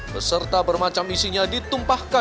beserta bermacam isinya ditumpahkan